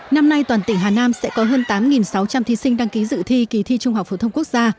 năm nay toàn tỉnh hà nam sẽ có hơn tám sáu trăm linh thí sinh đăng ký dự thi kỳ thi trung học phổ thông quốc gia